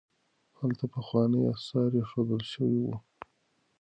هلته پخواني اثار ایښودل شوي وو.